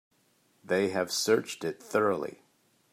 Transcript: They have searched it thoroughly.